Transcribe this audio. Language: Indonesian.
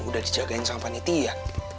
udah dijagain sama vanity ya